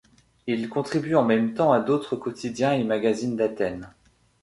Il contribue en même temps à d'autres quotidiens et magazines d'Athènes.